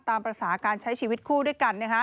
ตามภาษาการใช้ชีวิตคู่ด้วยกัน